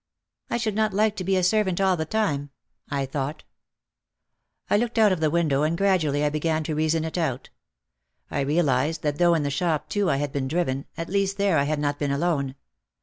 "I should not like to be a servant all the time," I thought. I looked out of the window and gradually I began to reason it out. I realised that though in the shop too I had been driven, at least there I had not been alone.